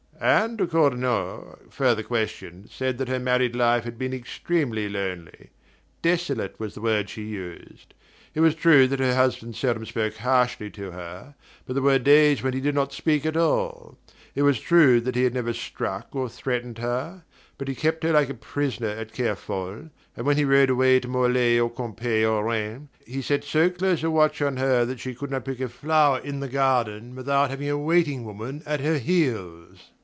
Anne de Cornault, further questioned, said that her married life had been extremely lonely: "desolate" was the word she used. It was true that her husband seldom spoke harshly to her; but there were days when he did not speak at all. It was true that he had never struck or threatened her; but he kept her like a prisoner at Kerfol, and when he rode away to Morlaix or Quimper or Rennes he set so close a watch on her that she could not pick a flower in the garden without having a waiting woman at her heels.